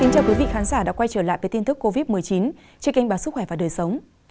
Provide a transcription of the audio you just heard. chào quý vị khán giả đã quay trở lại với tin thức covid một mươi chín trên kênh bản sức khỏe và đời sống